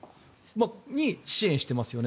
これに支援していますよね。